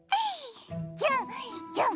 じゃんじゃん！